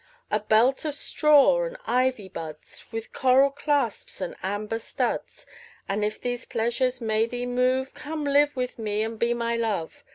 A belt of straw and ivy buds With coral clasps and amber studs: And if these pleasures may thee move, Come live with me and be my Love.